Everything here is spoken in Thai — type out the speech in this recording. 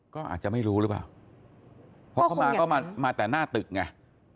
ก็อาจจะไม่รู้หรือเปล่าเพราะเขามาก็มามาแต่หน้าตึกไง